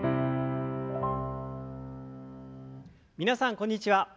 皆さんこんにちは。